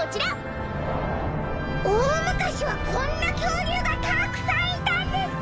おおむかしはこんなきょうりゅうがたくさんいたんですか！